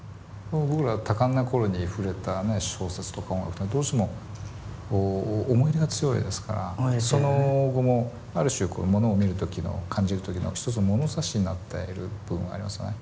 僕ら多感な頃に触れた小説とか音楽はどうしても思い入れが強いですからその後もある種こうものを見る時の感じる時の一つ物差しになっている部分ありますね。